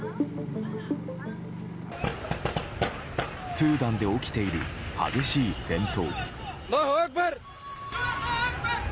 スーダンで起きている激しい戦闘。